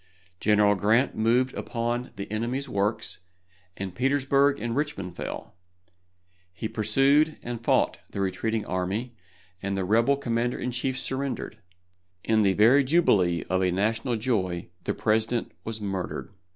General Grant moved upon the enemy's works, and Petersburg and Richmond fell. He pursued and fought the retreating army, and the rebel commander in chief surrendered. In the very jubilee of a national joy the President was murdered.